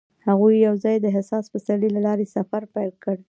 هغوی یوځای د حساس پسرلی له لارې سفر پیل کړ.